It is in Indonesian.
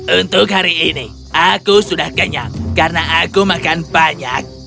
untuk hari ini aku sudah kenyang karena aku makan banyak